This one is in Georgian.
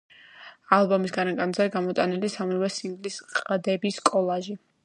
ალბომის გარეკანზე გამოტანილია სამივე სინგლის ყდების კოლაჟი.